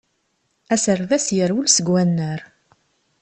Aserdas yerwel seg wannar.